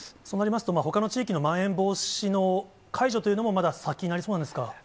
そうなりますと、ほかの地域のまん延防止の解除というのも、まだ先になりそうですか。